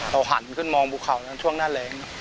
เราหันขึ้นมองภูเขาช่วงหน้าแหลง